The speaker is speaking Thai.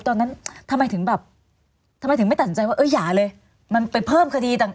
ตอนนั้นทำไมถึงไม่ตัดสินใจว่าอย่าเลยมันไปเพิ่มคดี